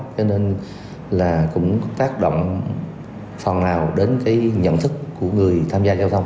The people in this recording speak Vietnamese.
cho nên là cũng tác động phần nào đến cái nhận thức của người tham gia giao thông